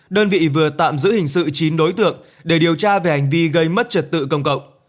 đơn vị vừa tạm giữ hình sự chín đối tượng để điều tra về hành vi gây mất trật tự công cộng